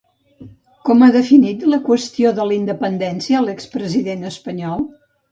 Com ha definit la qüestió de la independència l'expresident espanyol?